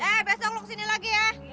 eh besok lu kesini lagi ya